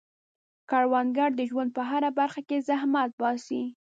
کروندګر د ژوند په هره برخه کې زحمت باسي